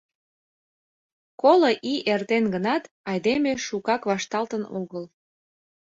Коло ий эртен гынат, айдеме шукак вашталтын огыл.